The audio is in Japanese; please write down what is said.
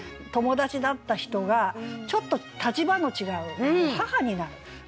友達だった人がちょっと立場の違う母になる。